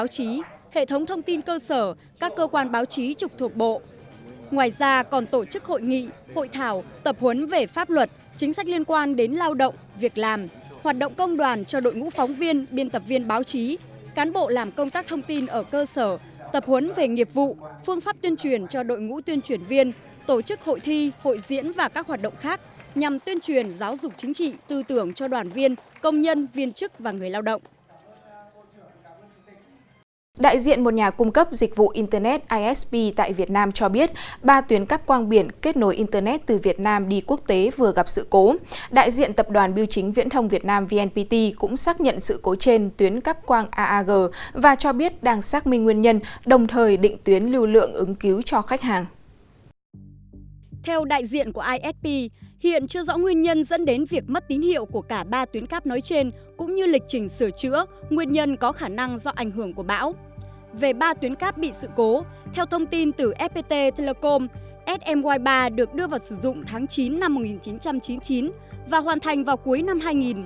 theo thông tin từ fpt telecom smy ba được đưa vào sử dụng tháng chín năm một nghìn chín trăm chín mươi chín và hoàn thành vào cuối năm hai nghìn